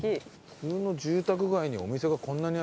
普通の住宅街にお店がこんなにあるんだ。